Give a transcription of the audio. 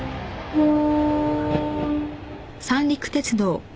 うん。